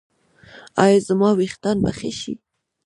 ایا زما ویښتان به ښه شي؟